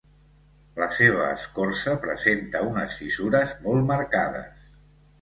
La seva escorça presenta unes fissures molt marcades.